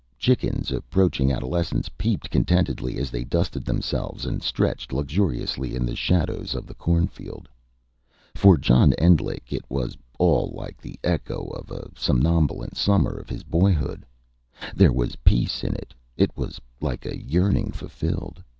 Chickens, approaching adolescence, peeped contentedly as they dusted themselves and stretched luxuriously in the shadows of the cornfield. For John Endlich it was all like the echo of a somnolent summer of his boyhood. There was peace in it: it was like a yearning fulfilled.